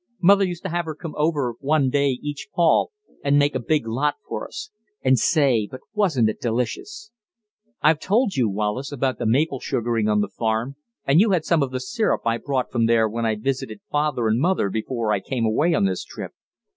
Mother used to have her come over one day each fall and make a big lot for us. And, say, but wasn't it delicious! "I've told you, Wallace, about the maple sugaring on the farm, and you had some of the syrup I brought from there when I visited father and mother before I came away on this trip.